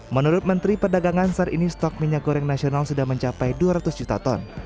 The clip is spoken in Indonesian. menurut menteri perdagangan saat ini stok minyak goreng nasional sudah mencapai dua ratus juta ton